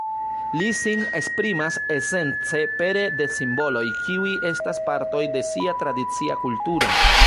Li sin esprimas esence pere de simboloj kiuj estas partoj de sia tradicia kulturo.